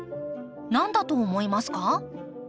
何だと思いますか？